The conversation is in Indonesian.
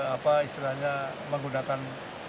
apa istilahnya menggunakan